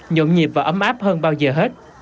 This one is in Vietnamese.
nhộn nhịp và ấm áp hơn bao giờ hết